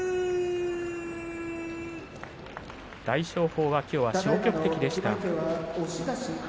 大翔鵬はきょうは消極的でした。